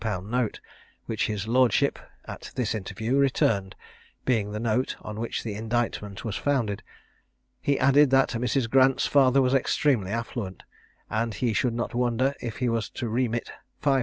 _ note, which his lordship, at this interview, returned (being the note on which the indictment was founded). He added, that Mrs. Grant's father was extremely affluent, and he should not wonder if he was to remit 500_l.